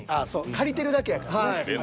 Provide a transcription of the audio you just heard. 借りてるだけやからね。